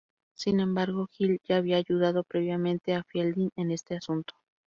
Sin embargo, Hill ya había ayudado previamente a Fielding en este asunto.